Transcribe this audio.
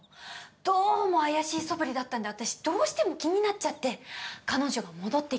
どうも怪しいそぶりだったんで私どうしても気になっちゃって彼女が戻ってきた